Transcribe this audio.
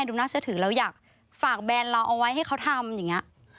ดูน่าเชื่อถือเราอยากฝากแบรนด์เราเอาไว้ให้เขาทำอย่างนี้